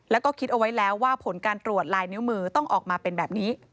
แล้วก็คิดเอาไว้แล้วว่าผลการตรวจลายนิ้วมือต้องออกมาเป็นแบบนี้